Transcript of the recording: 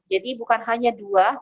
jadi bukan hanya dua